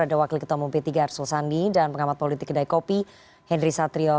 ada wakil ketua umum p tiga arsul sandi dan pengamat politik kedai kopi henry satrio